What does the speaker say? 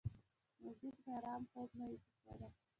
موزیک د آرام خوب نوې کیسه ده.